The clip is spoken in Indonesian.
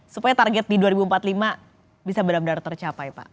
supaya target di dua ribu empat puluh lima bisa benar benar tercapai pak